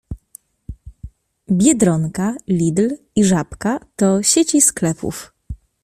Biedronka, Lidl i Żabka to sieci sklepów.